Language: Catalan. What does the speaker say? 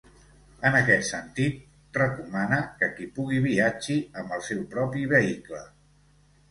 En aquest sentit, recomana que qui pugui viatgi amb el seu propi vehicle.